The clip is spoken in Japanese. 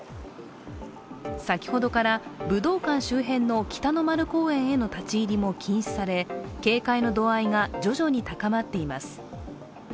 先ほどから武道館周辺の北の丸公園への立ち入りも禁止され警戒の度合いが徐々に高まっています。